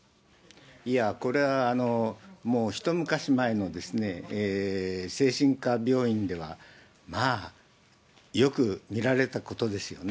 いや、これはもう、一昔前の精神科病院では、まあ、よく見られたことですよね。